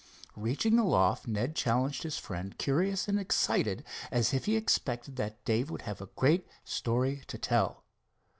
Reaching the loft Ned challenged his friend, curious and excited, as if he expected that Dave would have a great story to tell.